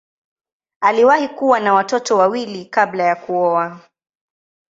Aliwahi kuwa na watoto wawili kabla ya kuoa.